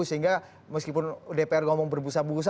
sehingga meskipun dpr ngomong berbusa busa